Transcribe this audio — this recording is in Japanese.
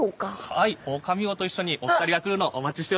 はいオオカミウオと一緒にお二人が来るのをお待ちしておりました。